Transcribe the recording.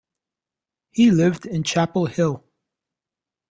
He lived in Chapel Hill.